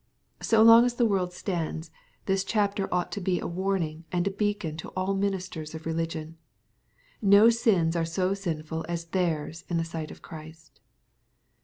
So long as the world stands, this chapter ought to be a Warning and a beacon to all ministers of religion. No sins are so sinful as theirs in the sight of Christ.